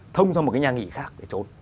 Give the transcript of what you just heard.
thông sang một cái nhà nghỉ khác để trốn